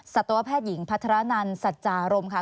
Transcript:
สัตวแพทย์หญิงพัฒระนันสัจจารมค่ะ